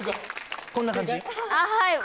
こんな感じ？